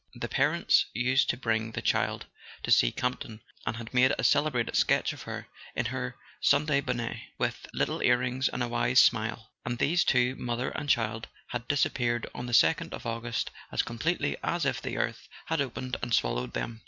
The parents used to bring the child to see Campton, and he had made a cele¬ brated sketch of her, in her Sunday bonnet, with little earrings and a wise smile. And these two, mother and child, had disappeared on the second of August as completely as if the earth had opened and swallowed them.